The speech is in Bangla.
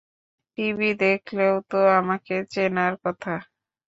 টিভি দেখলেও তো আমাকে চেনার কথা!